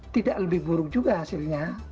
tidak lebih buruk juga hasilnya